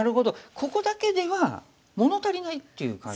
ここだけでは物足りないっていう感じ。